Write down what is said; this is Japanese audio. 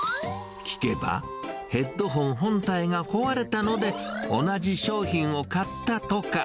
聞けば、ヘッドホン本体が壊れたので、同じ商品を買ったとか。